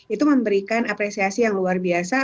itu memberikan apresiasi yang luar biasa